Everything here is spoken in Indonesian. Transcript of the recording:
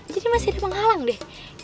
jadi masih ada penghalang deh di atas